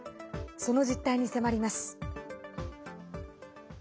その実態に迫ります。